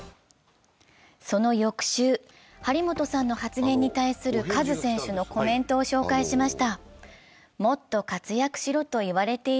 その翌週、張本さんの発言に対するカズ選手のコメントを紹介しました。